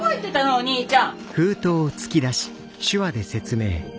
お兄ちゃん。